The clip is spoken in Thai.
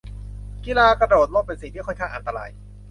กีฬากระโดดร่ม เป็นสิ่งที่ค่อนข้างอันตราย